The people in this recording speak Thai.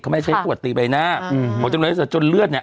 เขาไม่ใช้ขวดตีใบหน้าบอกจนเลือดเนี่ย